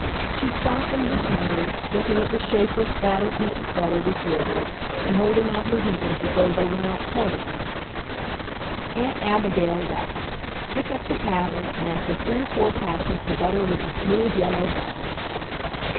She stopped in dismay, looking at the shapeless, battered heap of butter before her and holding out her hands as though they were not part of her. Aunt Abigail laughed, took up the paddle, and after three or four passes the butter was a smooth, yellow ball.